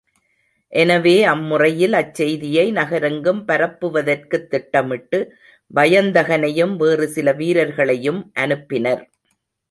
எனவே அம்முறையில் அச்செய்தியை நகரெங்கும் பரப்புவதற்குத் திட்டமிட்டு வயந்தகனையும் வேறு சில வீரர்களையும் அனுப்பினர்.